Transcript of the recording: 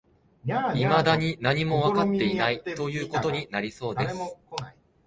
未だに何もわかっていない、という事になりそうです